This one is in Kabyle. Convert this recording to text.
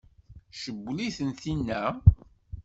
Tcewwel-iten tinna?